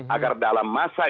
agar dalam masa